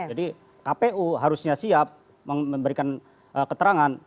jadi kpu harusnya siap memberikan keterangan